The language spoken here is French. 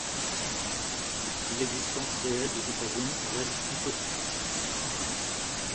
L’existence réelle de cet avion reste hypothétique.